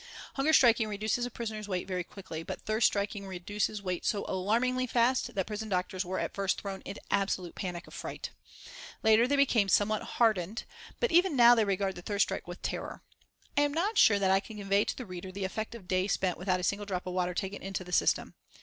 Hunger striking reduces a prisoner's weight very quickly, but thirst striking reduces weight so alarmingly fast that prison doctors were at first thrown into absolute panic of fright. Later they became somewhat hardened, but even now they regard the thirst strike with terror. I am not sure that I can convey to the reader the effect of days spent without a single drop of water taken into the system.